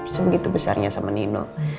sebegitu besarnya sama nino